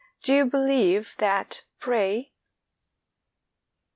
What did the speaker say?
Do you believe that, pray?"